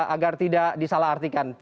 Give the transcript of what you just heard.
agar tidak disalah artikan